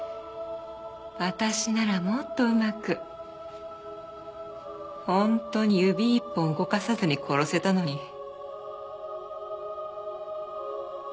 私ならもっとうまく本当に指一本動かさずに殺せたのに。